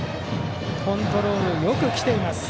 コントロールよく来ています